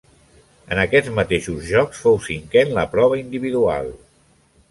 En aquests mateixos Jocs fou cinquè en la prova individual.